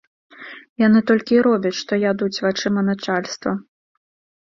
Яны толькі і робяць, што ядуць вачыма начальства.